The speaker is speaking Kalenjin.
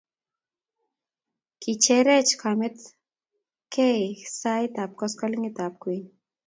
Kicherech kamet ke saa koskoleng'utab kwekeny